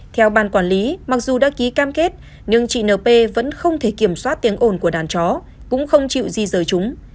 theo ban quản lý mặc dù đã ký cam kết nhưng chị np vẫn không thể kiểm soát tiếng ồn của đàn chó cũng không chịu di rời chúng